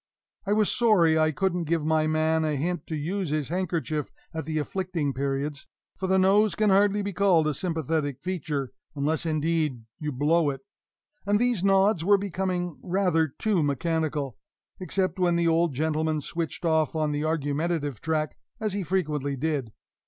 I was sorry I couldn't give my man a hint to use his handkerchief at the affecting periods, for the nose can hardly be called a sympathetic feature (unless, indeed, you blow it), and these nods were becoming rather too mechanical, except when the old gentleman switched off on the argumentative track, as he frequently did.